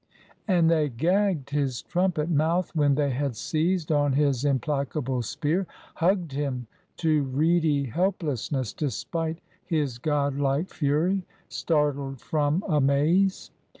And they gagged his trumpet mouth When they had seized on his implacable spear, Hugged him to reedy helplessness despite His godlike fury startled from amaze.